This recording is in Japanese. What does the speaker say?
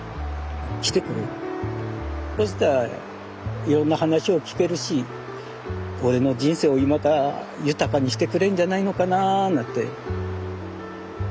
そしたらいろんな話を聞けるし俺の人生をまた豊かにしてくれんじゃないのかななんて。